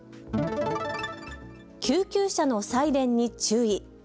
救急車のサイレンに注意。